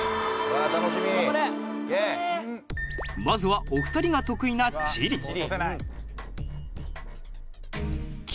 まずはお二人が得意な地理。